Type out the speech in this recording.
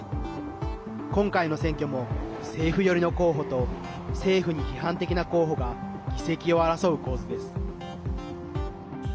今回の選挙も政府寄りの候補と政府に批判的な候補が議席を争う構図です。